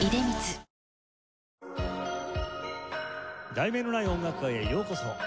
『題名のない音楽会』へようこそ。